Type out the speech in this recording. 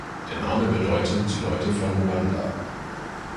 Der Name bedeutet „die Leute von Ruanda“.